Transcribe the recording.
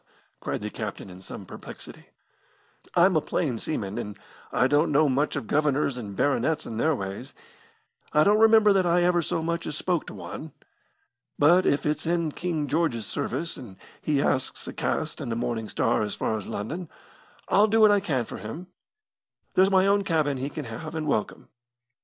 cried the captain in some perplexity, "I'm a plain seaman, and I don't know much of governors and baronets and their ways. I don't remember that I ever so much as spoke to one. But if it's in King George's service, and he asks a cast in the Morning Star as far as London, I'll do what I can for him. There's my own cabin he can have and welcome.